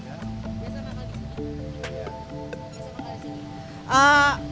biasa manggal di sini